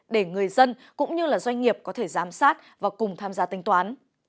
để người dân cũng như doanh nghiệp có thể giám sát và cùng tham gia tính toán